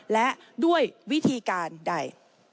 และด้วยวิธีการใด